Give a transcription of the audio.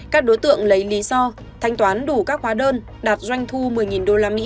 các đối tượng lấy lý do thanh toán đủ các hóa đơn đạt doanh thu một mươi usd